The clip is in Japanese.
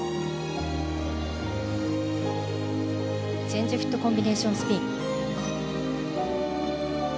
チェンジフットコンビネーションスピン。